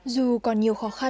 dù còn nhiều khó khăn